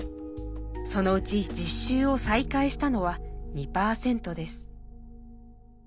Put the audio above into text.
そのうち実習を再開したのは２％です。